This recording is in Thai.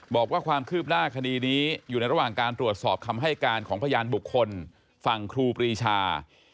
บอกว่าความคืบหน้าคดีนี้อยู่ในระหว่างการตรวจสอบคำให้การของพยานบุคคลฝั่งครูปรีชา